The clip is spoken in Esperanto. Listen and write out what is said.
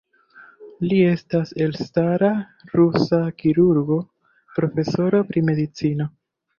Li estas elstara rusa kirurgo, profesoro pri medicino.